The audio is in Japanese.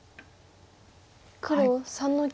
黒３の九。